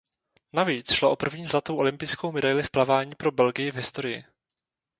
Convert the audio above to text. Navíc šlo o první zlatou olympijskou medaili v plavání pro Belgii v historii.